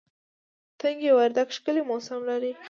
تنگي وردک ښکلی موسم لري